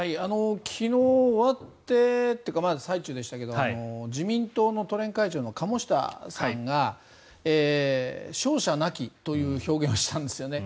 昨日終わってというかまだ最中でしたが自民党の都連会長の鴨下さんが勝者なきという表現をしたんですよね。